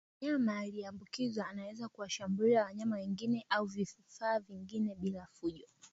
Mnyama aliyeambukizwa anaweza kuwashambulia wanyama wengine au vifaa vingine bila fujo